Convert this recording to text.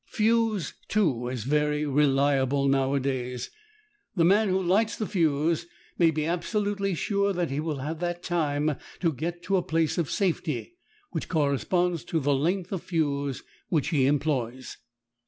Fuse, too, is very reliable nowadays. The man who lights the fuse may be absolutely sure that he will have that time to get to a place of safety which corresponds to the length of fuse which he employs.